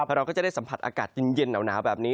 เพราะเราก็จะได้สัมผัสอากาศเย็นเย็นเหล่าหนาวแบบนี้